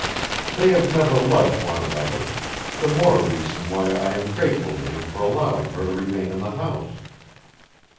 They have never liked one another the more reason why I am grateful to him for allowing her to remain in the house.